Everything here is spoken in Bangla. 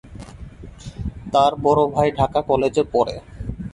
তার বড় ভাই ঢাকা কলেজে পড়ে।